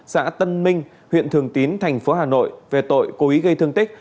xã tân minh huyện thường tín thành phố hà nội về tội cố ý gây thương tích